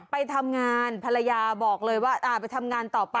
ไปทำงานภรรยาบอกเลยว่าไปทำงานต่อไป